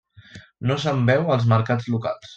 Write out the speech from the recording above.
No se'n veu als mercats locals.